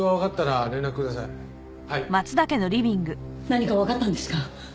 何かわかったんですか？